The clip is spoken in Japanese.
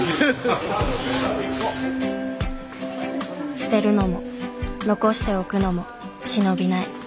捨てるのも残しておくのも忍びない。